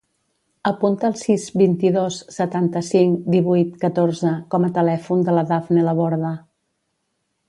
Apunta el sis, vint-i-dos, setanta-cinc, divuit, catorze com a telèfon de la Dafne Laborda.